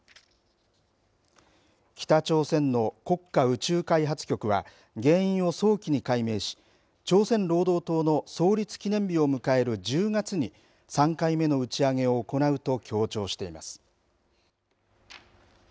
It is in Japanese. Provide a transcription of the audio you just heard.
北朝鮮の国家宇宙開発局は原因を早期に解明し朝鮮労働党の創立記念日を迎える１０月に３回目の打ち上げを行うと強調しています。